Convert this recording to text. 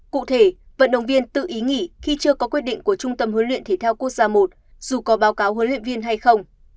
cụ thể vận động viên tự ý nghỉ khi chưa có quyết định của trung tâm huấn luyện thể thao quốc gia i dù có báo cáo huấn luyện viên hay không